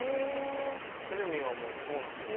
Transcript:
テルミンはもうそうなんですよ